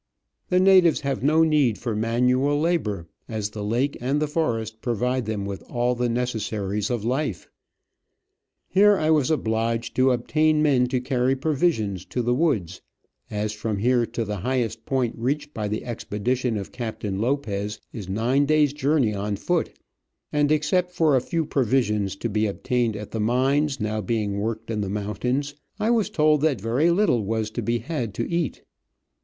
The natives have no need for manual labour, as the lake and the forest provide them with all the necessaries of life. Here I was obliged to obtain men to carry provisions to the woods, as from here to the highest point reached by the expedition of Captain Lopez is nine days' journey on foot, and, except a few provisions to be obtained at the mines now being worked in the mountains, I was told that very little was to be had to eat.